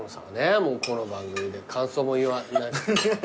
もうこの番組で感想も言わない。